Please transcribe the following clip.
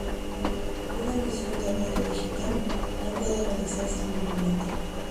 Una emisión de radio digital, no puede realizarse libremente.